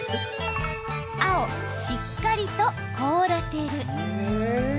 青・しっかりと凍らせる。